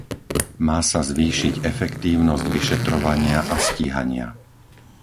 Má sa zvýšiť efektívnosť vyšetrovania a stíhania.